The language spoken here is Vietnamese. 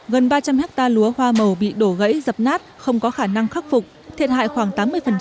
gần ba trăm linh hectare lúa hoa màu bị đổ gãy dập nát không có khả năng khắc phục thiệt hại khoảng tám mươi